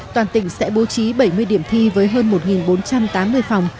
toàn tỉnh sẽ bố trí bảy mươi điểm thi với hơn một bốn trăm tám mươi phòng